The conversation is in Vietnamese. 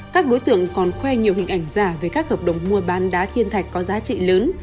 các đối tượng còn khoe nhiều hình ảnh giả về các hợp đồng mua bán đá thiên thạch có giá trị lớn